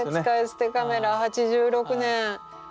使い捨てカメラ８６年。